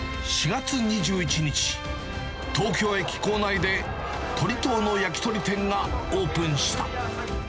４月２１日、東京駅構内で、鳥藤の焼き鳥店がオープンした。